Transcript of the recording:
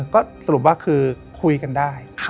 ก็สรุปว่าคือคุยกันได้